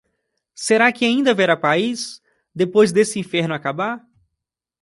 Será que ainda haverá país depois desse inferno acabar?